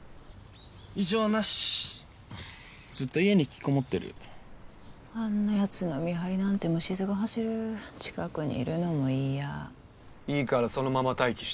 異常なしずっと家に引きこもってるあんなヤツの見張りなんてむしずが走る近くにいるのも嫌いいからそのまま待機し